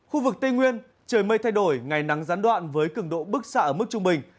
khu vực tây nguyên trời mây thay đổi ngày nắng gián đoạn với cứng độ bức xạ ở mức trung bình